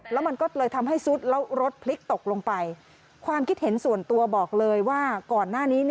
แล้วมันก็เลยทำให้ซุดแล้วรถพลิกตกลงไปความคิดเห็นส่วนตัวบอกเลยว่าก่อนหน้านี้